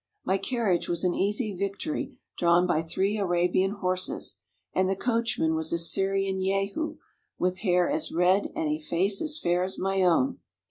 My carriage was an easy victoria drawn by three Arabian horses, and the coachman was a Syrian Jehu with hair as red and a face as fair as my own.